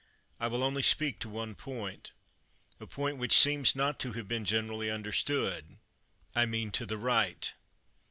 I will only speak to one point — a point which seems not to have been generally understood, I mean to the right.